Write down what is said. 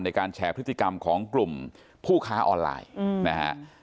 ในการแชร์พฤติกรรมของกลุ่มผู้ค้าออนไลน์นะฮะ